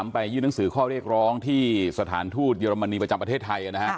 ไปยื่นหนังสือข้อเรียกร้องที่สถานทูตเยอรมนีประจำประเทศไทย